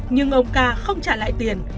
nhưng ông ca không trả lại tiền